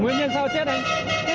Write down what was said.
nguyên nhân sao chết anh